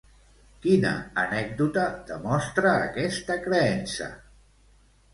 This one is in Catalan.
Quina anècdota demostra aquesta creença?